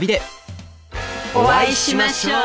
お会いしましょう！